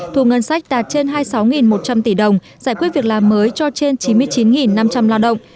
thu ngân sách đạt trên hai mươi sáu một trăm linh tỷ đồng giải quyết việc làm mới cho trên chín mươi chín năm trăm linh lao động